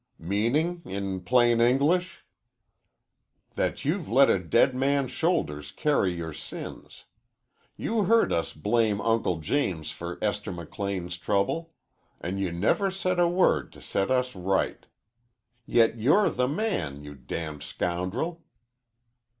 "Meaning, in plain English?" "That you've let a dead man's shoulders carry your sins. You heard us blame Uncle James for Esther McLean's trouble. An' you never said a word to set us right. Yet you're the man, you damned scoundrel!"